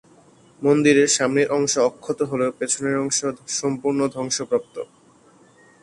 মন্দিরের সামনের অংশ অক্ষত হলেও পেছনের অংশ সম্পূর্ণ ধ্বংসপ্রাপ্ত।